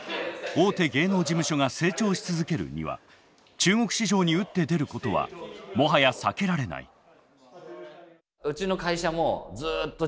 大手芸能事務所が成長し続けるには中国市場に打って出ることはもはや避けられない。